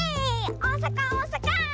おおさかおおさか！